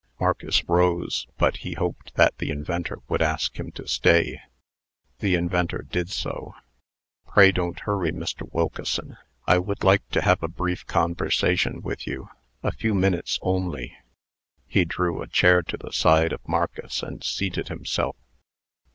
'" Marcus rose, but he hoped that the inventor would ask him to stay. The inventor did so. "Pray don't hurry, Mr. Wilkeson; I would like to have a brief conversation with you. A few minutes only." He drew a chair to the side of Marcus, and seated himself.